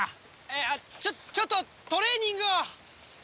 いやちょっとトレーニングを。